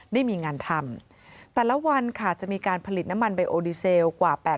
ได้มีงานทำแต่ละวันค่ะจะมีการผลิตน้ำมันไบโอดีเซลกว่า๘๐